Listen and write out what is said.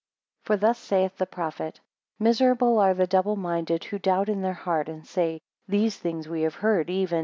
11 For thus saith the prophet; Miserable are the double minded, who doubt in their heart, and say, these things we have heard, even.